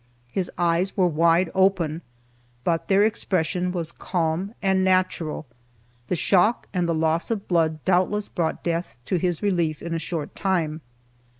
His eyes were wide open, but their expression was calm and natural. The shock and the loss of blood doubtless brought death to his relief in a short time.